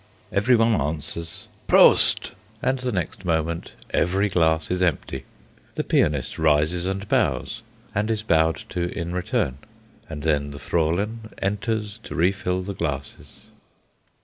Everyone answers "Prosit!" and the next moment every glass is empty. The pianist rises and bows, and is bowed to in return; and then the Fraulein enters to refill the glasses.